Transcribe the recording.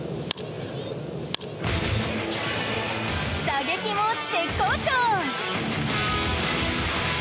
打撃も絶好調。